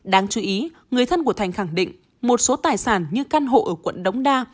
đáng chú ý người thân của thành khẳng định một số tài sản như căn hộ ở quận đống đa